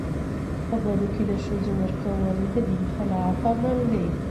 په بدو کي د ښځو ورکول د دین خلاف عمل دی.